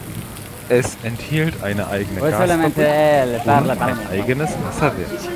Es enthielt eine eigene Gasfabrik und ein eigenes Wasserwerk.